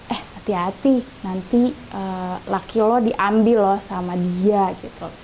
eh hati hati nanti laki lo diambil loh sama dia gitu